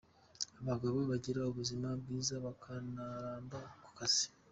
Abagabo bagira ubuzima bwiza bakanaramba ku kazi.